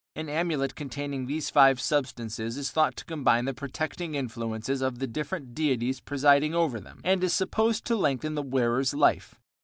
An amulet containing these five substances is thought to combine the protecting influences of the different deities presiding over them, and is supposed to lengthen the wearer's life.